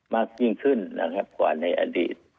มากยิ่งขึ้นกว่าในอดีต